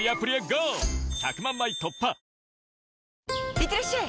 いってらっしゃい！